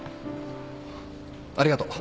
ありがとう。